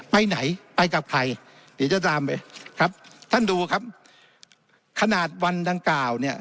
ไปไหนไปกับใครเดี๋ยวจะตามไปครับท่านดูครับขนาดวันดังกล่าวเนี่ย